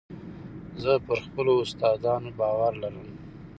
زه پر خپلو استادانو باور لرم.